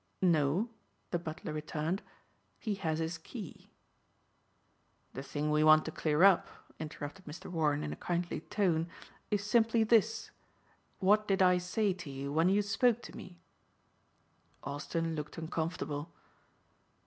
"No," the butler returned, "he has his key." "The thing we want to clear up," interrupted Mr. Warren in a kindly tone, "is simply this. What did I say to you when you spoke to me?" Austin looked uncomfortable.